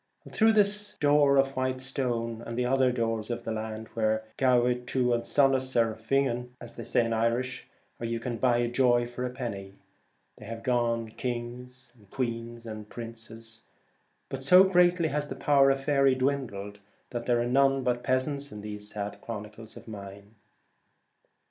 Through this door of white stone, and the other doors of that land where geabheadh tu an sonas aer pig kin ('you can buy joy for a penny'), have gone kings, queens, and princes, but so greatly has the power of Faery dwindled, that there are none but peasants in these sad chronicles of mine.